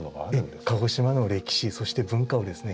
鹿児島の歴史そして文化をですね